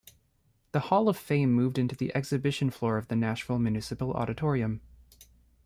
The Hall of Fame moved into the exhibition floor of the Nashville Municipal Auditorium.